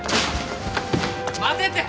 待てって！